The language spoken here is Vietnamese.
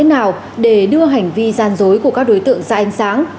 và để hiểu rõ toàn bộ các đối tượng ra ánh sáng